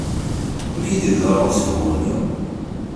Amek i d-yeḍra usehwu-nni?